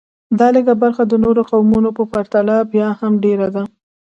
دا لږه برخه د نورو قومونو په پرتله بیا هم ډېره ده